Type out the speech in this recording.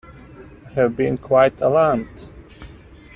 I have been quite alarmed.